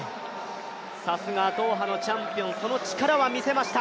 さすがドーハのチャンピオン、その力は見せました。